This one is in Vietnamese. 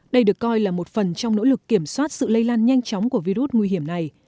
đây được coi là một phần trong nỗ lực kiểm soát sự lây lan nhanh chóng của virus nguy hiểm này